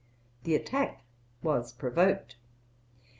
The attack was provoked.